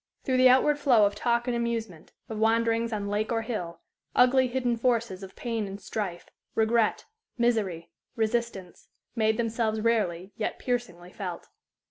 Through the outward flow of talk and amusement, of wanderings on lake or hill, ugly hidden forces of pain and strife, regret, misery, resistance, made themselves rarely yet piercingly felt.